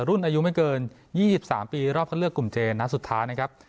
รุ่นอายุไม่เกิน๒๓ปีรอบเข้าเลือกกลุ่มเจนนัดสุดท้ายนะครับ